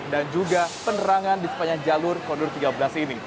dan juga penerangan di sepanjang jalur koridor tiga belas ini